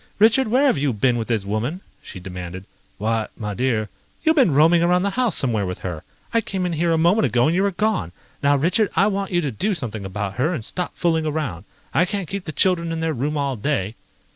"Richard, where have you been with this woman?" she demanded. "Why, my dear ..." "You've been roaming around the house somewhere with her. I came in here a moment ago and you were gone. Now, Richard, I want you to do something about her and stop fooling around. I can't keep the children in their room all day."